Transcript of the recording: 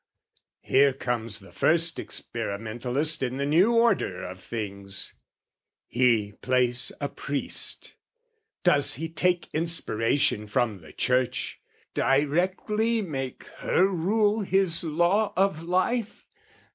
Here comes the first experimentalist In the new order of things, he plays a priest; Does he take inspiration from the Church, Directly make her rule his law of life?